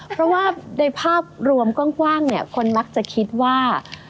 เพราะว่าในภาพรวมกว้างเนี่ยคนมักจะคิดว่า